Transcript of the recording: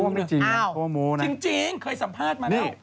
จริงเคยสัมภาษณ์มาแล้ว